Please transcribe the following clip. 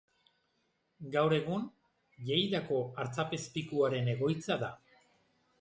Gaur egun, Lleidako Artzapezpikuaren egoitza da.